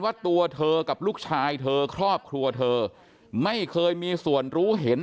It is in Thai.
ว่าตัวเธอกับลูกชายเธอครอบครัวเธอไม่เคยมีส่วนรู้เห็น